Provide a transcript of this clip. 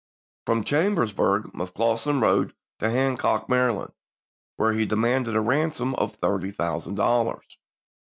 From Chambersburg McCausland rode to Han cock, Maryland, where he demanded a ransom of thirty thousand dollars.